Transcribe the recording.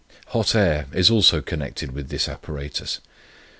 Hot air is also connected with this apparatus.